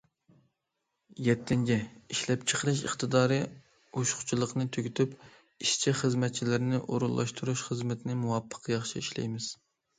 يەتتىنچى، ئىشلەپچىقىرىش ئىقتىدارى ئوشۇقچىلىقىنى تۈگىتىپ، ئىشچى- خىزمەتچىلەرنى ئورۇنلاشتۇرۇش خىزمىتىنى مۇۋاپىق، ياخشى ئىشلەيمىز.